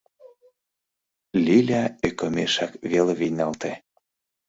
Лиля ӧкымешак веле вийналте.